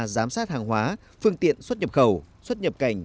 giám sát hàng hóa phương tiện xuất nhập khẩu xuất nhập cảnh